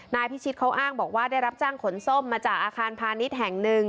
นายพิชิตเขาอ้างบอกว่าได้รับจ้างขนส้มมาจากอาคารพาณิชย์แห่งหนึ่ง